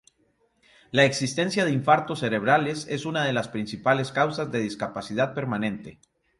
La existencia de infartos cerebrales es una de las principales causas de discapacidad permanente.